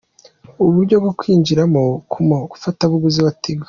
Uburyo bwo kwinjiramo ku mufatabuguzi wa Tigo.